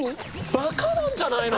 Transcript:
バカなんじゃないの！？